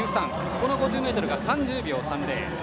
この５０ｍが３０秒３０。